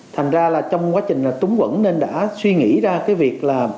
thành ra là trong quá trình túng quẩn nên đã suy nghĩ ra cái việc là